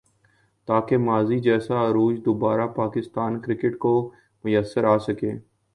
تاکہ ماضی جیسا عروج دوبارہ پاکستان کرکٹ کو میسر آ سکے ۔